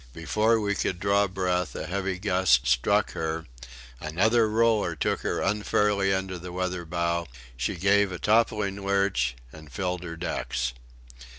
Before we could draw breath a heavy gust struck her, another roller took her unfairly under the weather bow, she gave a toppling lurch, and filled her decks.